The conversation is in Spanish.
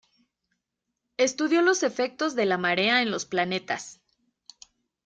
Estudió los efectos de la marea en los planetas.